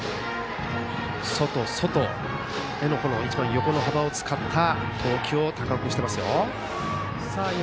外、外への、横幅を使った投球を、高尾君はしています。